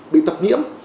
bị tập nhiễm